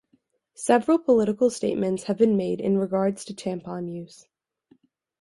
Several political statements have been made in regards to tampon use.